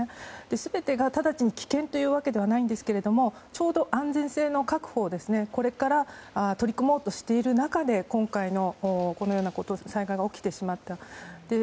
すべてが直ちに危険というわけではないんですがちょうど安全性の確保をこれから取り組もうとしている中で今回の災害が起きてしまった。